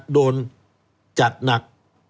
โดนจัดหนัก